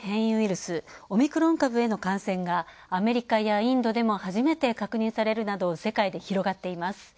スオミクロン株への感染がアメリカやインドでも初めて確認されるなど世界で広がっています